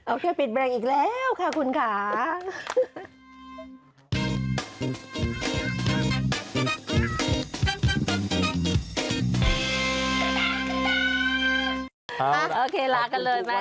โอเคลากันเลย